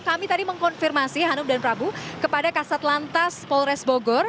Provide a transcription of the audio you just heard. kami tadi mengkonfirmasi hanum dan prabu kepada kasat lantas polres bogor